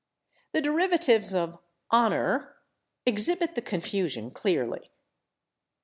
The derivatives of /honour/ exhibit the confusion clearly.